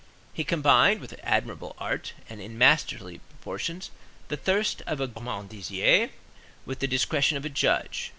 He combined with admirable art, and in masterly proportions, the thirst of a gormandizer with the discretion of a judge.